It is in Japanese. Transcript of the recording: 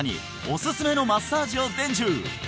おすすめのマッサージを伝授！